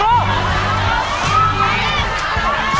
อีกสองถุงลูก